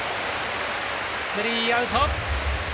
スリーアウト。